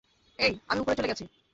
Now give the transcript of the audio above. অ্যাই, আমি ওপরে চলে গেছি।